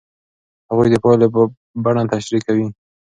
هغوی د پایلې بڼه تشریح کوي.